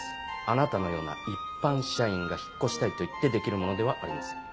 あなたのような一般社員が引っ越したいと言ってできるものではありません。